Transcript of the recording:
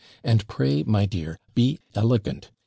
And pray, my dear, be ELEGANT.